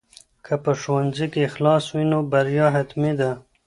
که په ښوونځي کې اخلاص وي نو بریا حتمي ده.